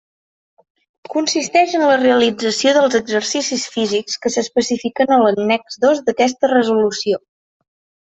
Consisteix en la realització dels exercicis físics que s'especifiquen a l'annex dos d'aquesta Resolució.